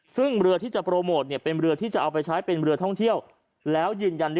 ซึ่งเรือที่จะโปรโมทเป็นเรือที่จะเอาไปใช้เป็นเรือท่องเที่ยวแล้วยืนยัน